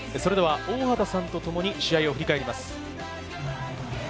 大畑さんとともに試合を振り返ります。